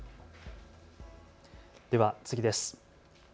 では次です。